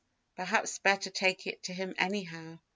Perhaps better take it to him anyhow."